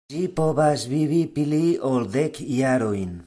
Ĝi povas vivi pli ol dek jarojn.